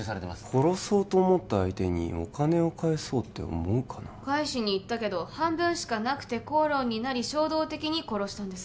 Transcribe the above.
殺そうと思った相手にお金を返そうって思うかな返しに行ったけど半分しかなくて口論になり衝動的に殺したんです